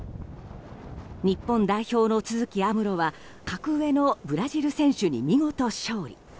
日本代表の都筑有夢路は格上のブラジル選手に見事勝利。